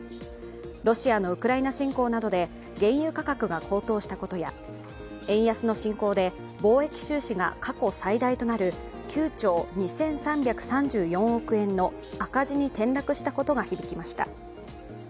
ロシアのウクライナ侵攻などで原油価格が高騰したことや円安の進行で貿易収支が過去最大となる９兆２３３４億円の赤字に転落したことが響きました。